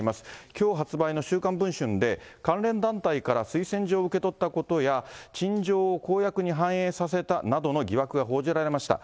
きょう発売の週刊文春で、関連団体から推薦状を受け取ったことや、陳情を公約に反映させたなどの疑惑が報じられました。